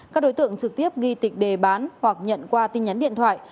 các đối tượng trực tiếp ghi tịch đề bán hoặc nhận qua tin nhắn điện thoại